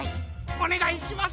おねがいします。